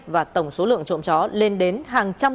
và tổng số lượng trộn chó lên đếm